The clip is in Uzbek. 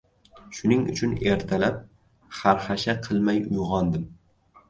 Shuning uchun ertalab xarxasha qilmay uyg‘ondim.